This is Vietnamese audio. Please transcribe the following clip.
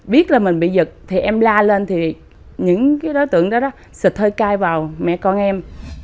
biết là mình bị giật thì em la lên thì những đối tượng đó giật hơi cai vào mẹ con em